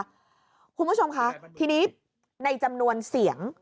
คุณผู้ชมคะทีนี้ในจำนวนเสียง